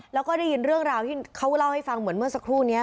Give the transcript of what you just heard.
แล้วก็ได้ยินเรื่องราวที่เขาเล่าให้ฟังเหมือนเมื่อสักครู่นี้